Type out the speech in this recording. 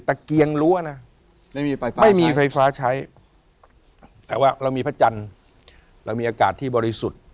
ตะเกียงรั้วนะไม่มีไฟฟ้าใช้แต่ว่าเรามีพจรเรามีอากาศที่บริสุทธิ์